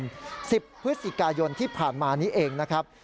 ๑๐พฤศจิกายนที่ผ่านมานี้เองนะครับ